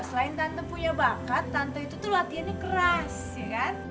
selain tante punya bakat tante itu tuh latihannya keras ya kan